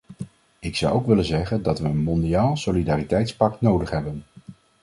Ik zou ook willen zeggen dat we een mondiaal solidariteitspact nodig hebben.